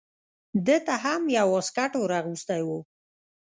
ده ته هم یو واسکټ ور اغوستی و.